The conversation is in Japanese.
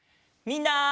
みんな！